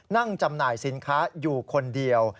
จำหน่ายสินค้าอยู่คนเดียว